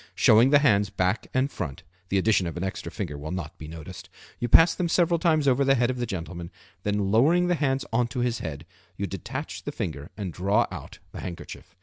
Showing the hands back and front (the addition of an extra finger will not be noticed), you pass them several times over the head of the gentleman, then lowering the hands on to his head you detach the finger and draw out the handkerchief.